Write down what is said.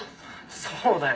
そうだよ。